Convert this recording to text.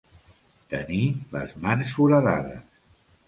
Tenir les mans foradades.